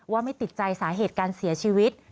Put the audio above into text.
ว่าไม่ติดใจสาเหตุการเสียชีวิต